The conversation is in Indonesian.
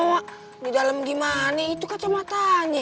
ii emak dua di dalem gimana itu kacamatanya